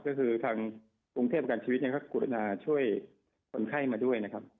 ก็คือทางกรุงเทพประกันชีวิตยังก็กรุณาช่วยคนไข้มาด้วยนะครับ